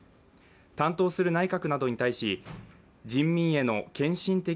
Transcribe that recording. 担当する内閣などに対し、人民への献身的